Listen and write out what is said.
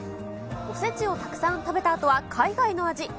おせちをたくさん食べたあとは、海外の味。